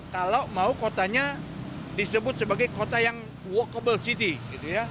kalau mau kotanya disebut sebagai kota yang walkable city